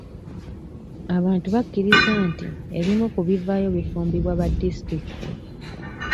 Abantu bakiriza nti ebimu ku bivaayo bifumbibwa ba disitulikiti.